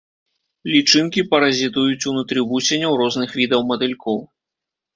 Лічынкі паразітуюць унутры вусеняў розных відаў матылькоў.